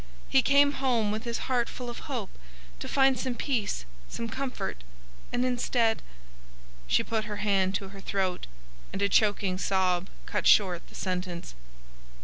He came home with his heart full of hope, to find some peace, some comfort, and instead—" She put her hand to her throat, and a choking sob cut short the sentence.